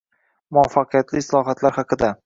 Muvaffaqiyatli islohotlar haqida